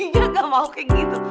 gak mau kayak gitu